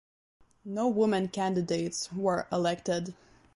No women candidates were elected.